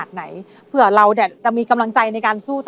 จนถึงวันนี้มาม้ามีเงิน๔ปี